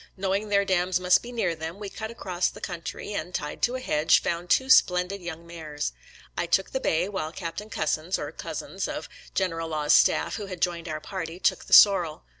Knowing their dams must be near them, we cut across the country, and, tied to a hedge, found two splendid young mares. I took the bay, while Captain Cussons (or Cozzens), of General Law's staff, who had joined our party, took the sorrel.